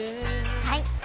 はい！